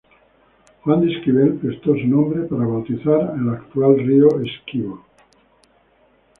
Juan de Esquivel prestó su nombre para bautizar el actual río Esequibo.